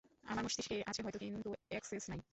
আমার মস্তিষ্কেই আছে হয়তো, কিন্তু একসেস নাই।